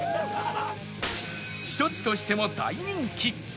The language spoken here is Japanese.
避暑地としても大人気！